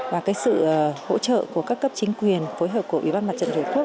và sự hỗ trợ của các cấp chính quyền phối hợp của ủy ban mặt trận thủy quốc